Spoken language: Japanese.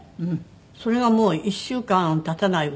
それがもう１週間経たないうちよ。